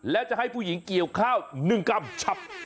แล้วจะให้ผู้หญิงเกี่ยวข้าว๑กรัมชับ